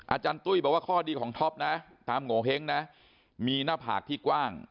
อาจารย์ตุ้ยบอกว่าข้อดีของท็อปนะตามโงเห้งนะมีหน้าผากที่กว้าง